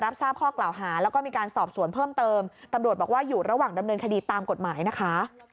บอกว่าอยู่ระหว่างดำเนินคดีตามกฎหมายนะคะ